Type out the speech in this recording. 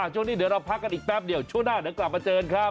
ช่วงนี้เดี๋ยวเราพักกันอีกแป๊บเดียวช่วงหน้าเดี๋ยวกลับมาเจอกันครับ